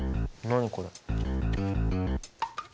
何これ？